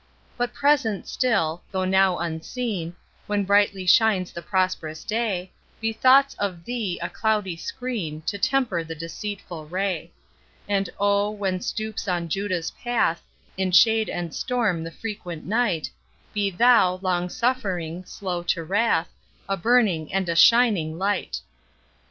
But, present still, though now unseen; When brightly shines the prosperous day, Be thoughts of THEE a cloudy screen To temper the deceitful ray. And oh, when stoops on Judah's path In shade and storm the frequent night, Be THOU, long suffering, slow to wrath, A burning, and a shining light!